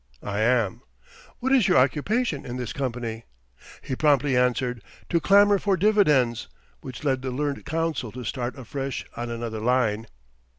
"I am." "What is your occupation in this company?" He promptly answered, "To clamour for dividends," which led the learned counsel to start afresh on another line.